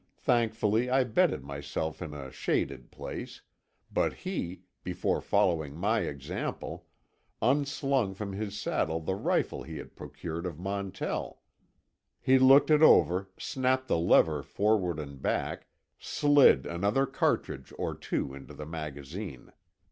Thankfully I bedded myself in a shaded place, but he, before following my example, unslung from his saddle the rifle he had procured of Montell. He looked it over, snapped the lever forward and back, slid another cartridge or two into the magazine.